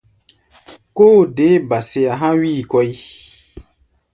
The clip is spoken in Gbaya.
Kóo deé ba-sea há̧ wíi kɔ́ʼi.